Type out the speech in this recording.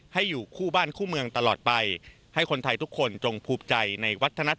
ให้อยู่คู่บ้านคู่เมืองตลอดไป